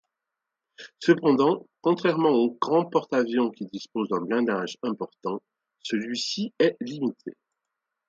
Cependant, contrairement aux grands porte-avions qui disposent d'un blindage important, celui-ci est limité.